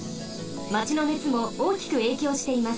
マチのねつもおおきくえいきょうしています。